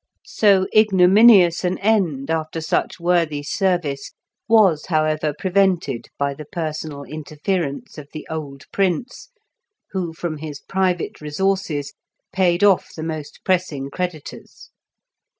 So ignominious an end after such worthy service was, however, prevented by the personal interference of the old Prince, who, from his private resources, paid off the most pressing creditors.